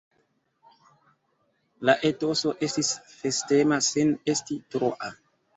La etoso estis festema, sen esti troa.